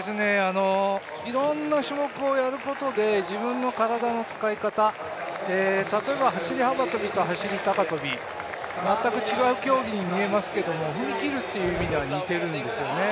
いろんな種目をやることで自分の体の使い方、例えば走幅跳と走高跳、全く違う競技に見えますけれども、踏み切るという意味では似てるんですね。